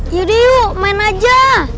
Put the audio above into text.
yaudah yuk main aja